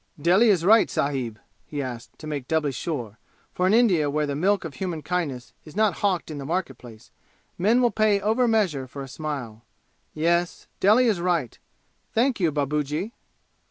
"Delhi is right, sahib?" he asked, to make doubly sure; for in India where the milk of human kindness is not hawked in the market place, men will pay over measure for a smile. "Yes. Delhi is right. Thank you, babuji."